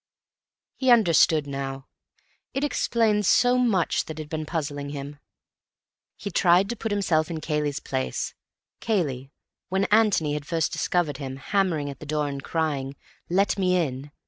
He understood now. It explained so much that had been puzzling him. He tried to put himself in Cayley's place—Cayley, when Antony had first discovered him, hammering at the door and crying, "Let me in!"